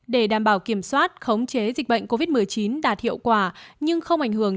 để đảm bảo kiểm soát khống chế dịch bệnh covid một mươi chín đạt hiệu quả nhưng không ảnh hưởng